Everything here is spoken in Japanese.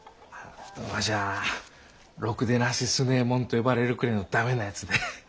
わしゃあろくでなし強右衛門と呼ばれるくれえの駄目なやつで。